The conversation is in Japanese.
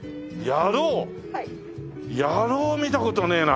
野郎は見た事ねえな。